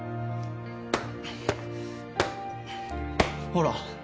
ほら。